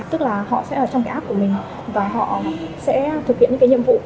và họ sẽ thực hiện những cái nhiệm vụ